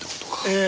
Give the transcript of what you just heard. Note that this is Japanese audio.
ええ。